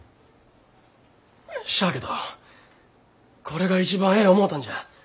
しゃあけどこれが一番ええ思うたんじゃ。